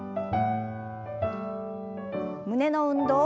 胸の運動。